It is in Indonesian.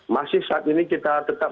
masih saat ini kita tetap